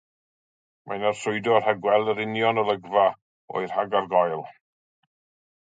Mae hi'n arswydo rhag gweld yr union olygfa o'i "rhagargoel".